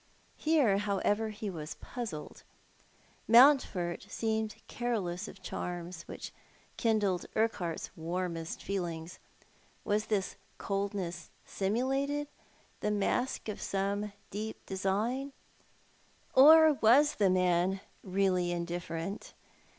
Here, however, he was puzzled. Mountford seemed careless of charms which kindled Urquhart's warmest feelings. Was this coldness simulated, the mask of some deep design ; or was the man really indifferent